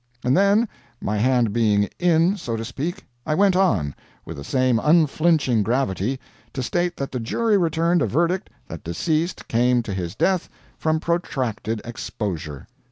And then, my hand being "in," so to speak, I went on, with the same unflinching gravity, to state that the jury returned a verdict that deceased came to his death from protracted exposure.